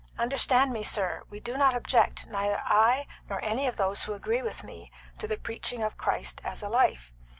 Understand me, sir, we do not object, neither I nor any of those who agree with me, to the preaching of Christ as a life.